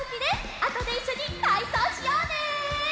あとでいっしょにたいそうしようね！